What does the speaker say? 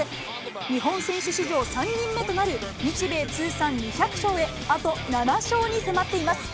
日本選手史上３人目となる、日米通算２００勝へ、あと７勝に迫っています。